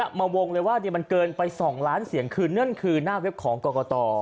มาวงเลยว่ามันเกินไป๒ล้านเสียงคือนั่นคือหน้าเว็บของกรกต